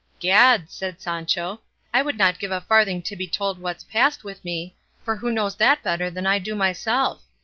"Gad," said Sancho, "I would not give a farthing to be told what's past with me, for who knows that better than I do myself?